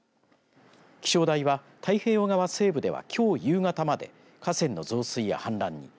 気象台は太平洋側西部ではきょう夕方まで河川の増水や氾濫に。